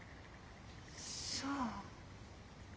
そう。